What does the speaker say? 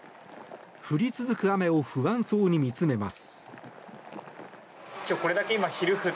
降り続く雨を不安そうに見つめます。